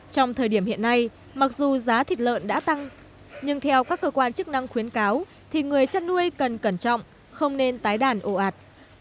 trong thời điểm hiện nay mặc dù giá thịt lợn đã tăng nhưng theo các cơ quan chức năng khuyến cáo thì người chăn nuôi cần cẩn trọng không nên tái đàn ổ ạt